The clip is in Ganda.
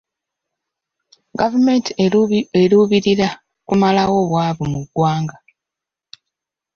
Gavumenti eruubirira kumalawo bwavu mu ggwanga.